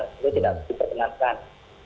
itu tidak diperkenalkan